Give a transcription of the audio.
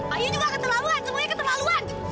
kayu juga keterlaluan semuanya keterlaluan